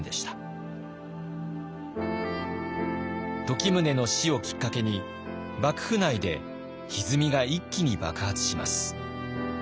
時宗の死をきっかけに幕府内でひずみが一気に爆発します。